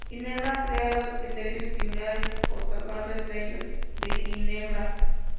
Ginebra ha creado criterios similares otorgando el Sello de Ginebra.